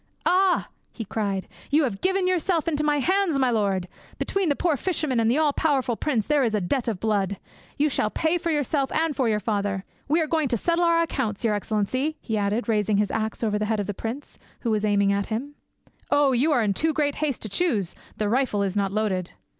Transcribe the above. "Ah!" he cried, "you have given yourself into my hands, my lord! Between the poor fisherman and the all powerful prince there is a debt of blood. You shall pay for yourself and for your father. We are going to settle our accounts, your excellency," he added, rising his axe over the head of the prince, who was aiming at him. "Oh! you were in too great haste to choose: the rifle is not loaded."